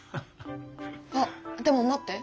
あっでも待って！